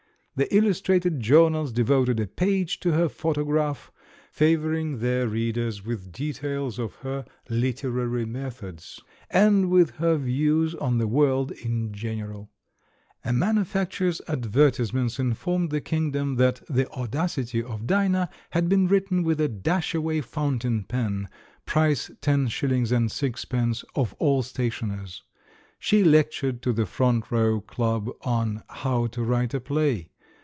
The il lustrated journals devoted a page to her photo graph, favouring their readers with details of her "literary methods," and with her views on the world in general. A manufacturer's advertise ments informed the kingdom that The Audacity of Dinah had been written with a "Dashaway Fountain Pen (price 10s. 6d., of all stationers)." She lectured to the Front Row Club on "How to ;Write a Play."